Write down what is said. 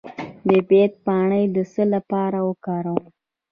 د بید پاڼې د څه لپاره وکاروم؟